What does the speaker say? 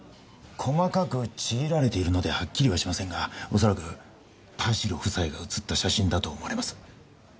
細かくちぎられているのではっきりはしませんが恐らく田代夫妻が写った写真だと思われます。